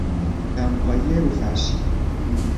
دمپایی رو فرشی